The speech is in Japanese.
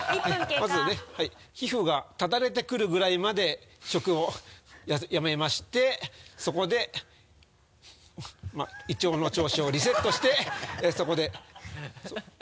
まずね皮膚がただれてくるぐらいまで食をやめましてそこで胃腸の調子をリセットしてそこで。